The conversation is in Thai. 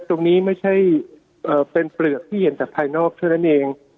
ตรงนี้ไม่ใช่เป็นเปลือกที่เห็นแต่ภายนอกเท่านั้นเอง